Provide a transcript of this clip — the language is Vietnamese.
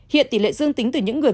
hiện tỷ lệ dương tính từ những người